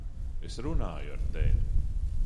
Es runāju ar tevi!